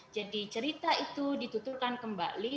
jadi cerita itu dituturkan kembali